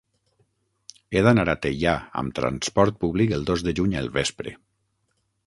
He d'anar a Teià amb trasport públic el dos de juny al vespre.